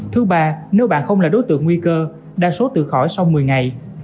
thứ ba nếu bạn không là đối tượng nguy cơ đa số tự khỏi sau một mươi ngày